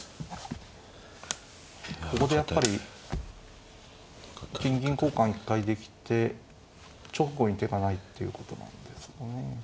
ここでやっぱり金銀交換一回できて直後に手がないっていうことなんですかね。